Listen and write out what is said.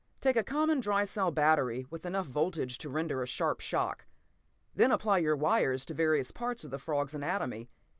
"Take a common dry cell battery with enough voltage to render a sharp shock. Then apply your wires to various parts of the frog's anatomy.